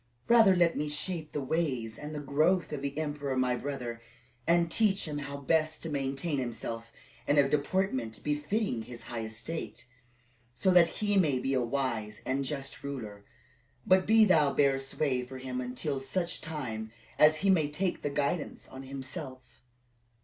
"Rather let me shape the ways and the growth of the emperor my brother, and teach him how best to maintain himself in a deportment befitting his high estate, so that he may become a wise and just ruler; but do thou bear sway for him until such time as he may take the guidance on himself."